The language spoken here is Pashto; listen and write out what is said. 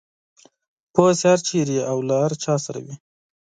پوهه چې هر چېرته او له هر چا سره وي.